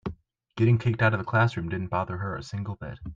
Getting kicked out of the classroom didn't bother her a single bit.